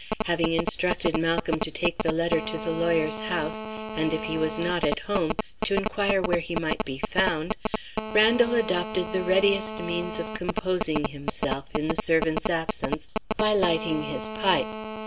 Having instructed Malcolm to take the letter to the lawyer's house, and, if he was not at home, to inquire where he might be found, Randal adopted the readiest means of composing himself, in the servant's absence, by lighting his pipe.